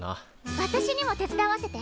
私にも手伝わせて。